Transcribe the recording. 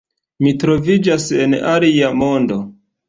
Mi troviĝas en alia mondo.